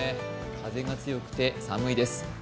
風が強くて寒いです。